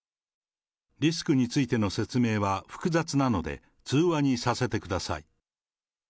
リスクについての説明は複雑なので、通話にさせてください。